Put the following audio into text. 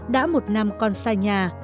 đã một năm con xa nhà